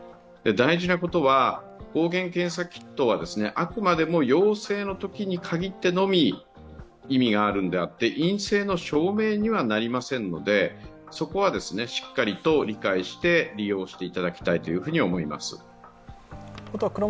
大事なことは、抗原検査キットはあくまでも陽性のときに限ってのみ、意味があるのであって陰性の証明にはなりませんので、そこはしっかりと理解して利用していただきたいと思います。